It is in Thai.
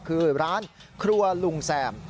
คือร้านครัวลุงแซม